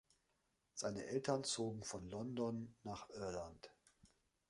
Seine Eltern zogen von London nach Irland.